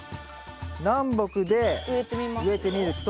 南北で植えてみると。